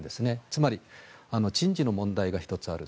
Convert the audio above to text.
つまり、人事の問題が１つある。